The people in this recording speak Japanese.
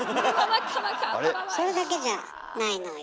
それだけじゃないのよ。